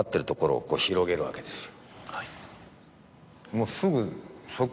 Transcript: もうすぐ。